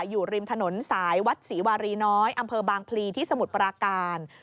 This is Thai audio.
อยู่ริมถนนสายวัดศรีวารีน้อยอำเภอบางพลีที่สมุทรปราการ